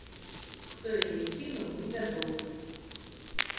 Хто яе кінуў, невядома.